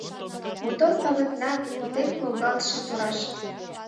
Мотор пагытна тек волгалтше тораш.